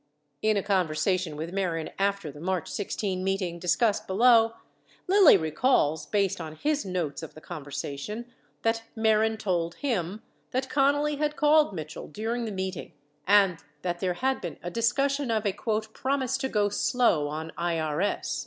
4 In a conversation with Mehren after the March 16 meeting (discussed below), Lilly recalls (based on his notes of the conversation) that Mehren told him that Connally had called Mitchell during the meeting and that there had been a discussion of a "promise to go slow on IRS."